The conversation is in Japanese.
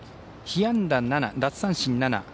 被安打７、奪三振７。